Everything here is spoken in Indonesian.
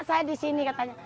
saya di sini katanya